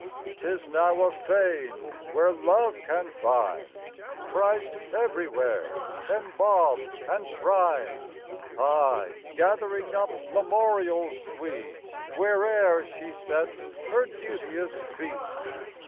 'Tis now a fane where Love can find Christ everywhere embalmed and shrined ; Aye gathering up memorials sweet, Where'er she sets her duteous feet.